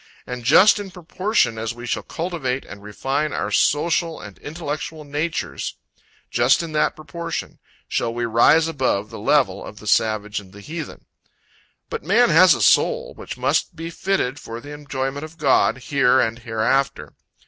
And just in proportion, as we shall cultivate, and refine our social and intellectual natures, just in that proportion, shall we rise above the level of the savage and the heathen. But man has a soul, which must be fitted for the enjoyment of God, here and hereafter.